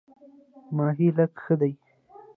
ماهی لږ ښه دی.